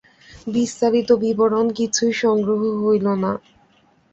বিস্তারিত বিবরণ কিছুই সংগ্রহ হইল না।